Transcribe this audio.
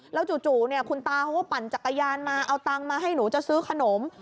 แล้วจู่คุณตาเขาก็ปั่นจักรยานมาเอาตังค์มาให้หนูจะซื้อขนม